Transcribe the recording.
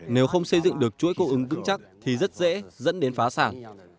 nếu không xây dựng được chuỗi cố ứng cứng chắc thì rất dễ dẫn đến phá sản